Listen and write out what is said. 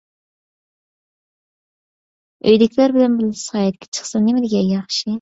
ئۆيدىكىلەر بىلەن بىللە ساياھەتكە چىقسا نېمىدېگەن ياخشى!